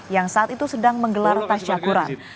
yang saat itu sedang menggelar tasya kuran